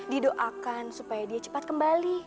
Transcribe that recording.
didoakan supaya dia cepat kembali